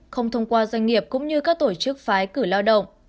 không thông qua doanh nghiệp cũng như các tổ chức phái cử lao động